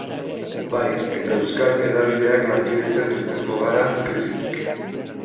Bai, eta euskal hedabideak lankidetzan irtengo gara krisitik.